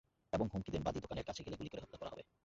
এবং হুমকি দেন বাদী দোকানের কাছে গেলে গুলি করে হত্যা করা হবে।